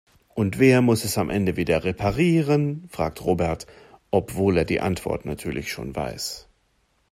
Und wer muss es am Ende wieder reparieren?, fragt Robert, obwohl er die Antwort natürlich schon weiß.